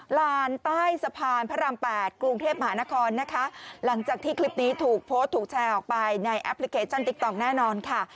ลานใต้สะพานพระราม๘กรุงเทพมหานครนะคะหลังจากที่คลิปนี้ถูกโพสต์ถูกแชร์ออกไปในแอปพลิเคชันติ๊กต๊อกแน่นอนค่ะ